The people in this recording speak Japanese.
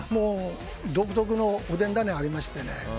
独特のおでんダネありましてね。